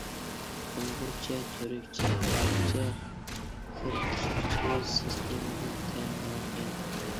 ئۇيغۇرچە، تۈركچە، ئەرەبچە كىرگۈزگۈچلەر سىستېمىدىن تەمىنلەنگەن.